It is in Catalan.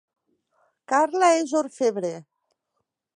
Carla és orfebre